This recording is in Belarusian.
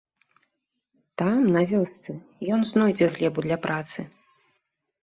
Там, на вёсцы, ён знойдзе глебу для працы.